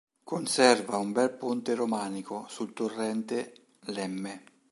Conserva un bel ponte romanico, sul torrente Lemme.